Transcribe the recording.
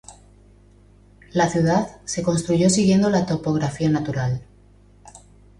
La ciudad de construyó siguiendo la topografía natural.